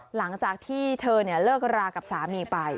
หลังจากที่เธอเลิกรากับสามีไป